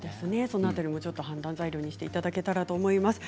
その辺り判断材料にしていただければと思います。